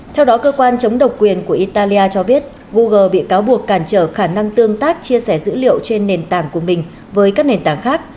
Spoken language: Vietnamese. theo đó cơ quan chống độc quyền của italia cho biết google bị cáo buộc cản trở khả năng tương tác chia sẻ dữ liệu trên nền tảng của mình với các nền tảng khác